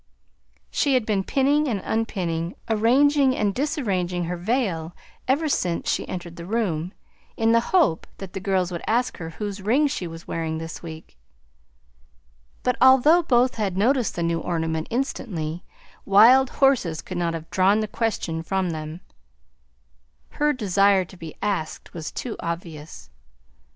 She had been pinning and unpinning, arranging and disarranging her veil ever since she entered the room, in the hope that the girls would ask her whose ring she was wearing this week; but although both had noticed the new ornament instantly, wild horses could not have drawn the question from them; her desire to be asked was too obvious.